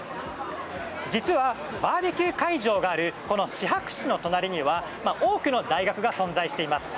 実はバーベキュー会場があるシハク市の隣には多くの大学が存在しています。